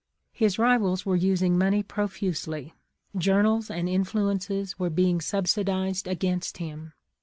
*" His ri\ als were using money profusely ; jour nals and influences were being subsidized against him.